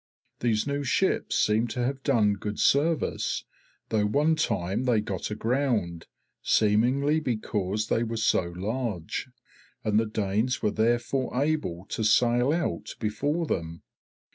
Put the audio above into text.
These new ships seem to have done good service, though one time they got aground, seemingly because they were so large, and the Danes were therefore able to sail out before them.